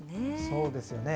そうですよね。